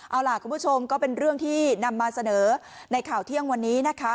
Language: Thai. เอาล่ะคุณผู้ชมก็เป็นเรื่องที่นำมาเสนอในข่าวเที่ยงวันนี้นะคะ